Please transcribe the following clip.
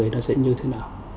nó sẽ như thế nào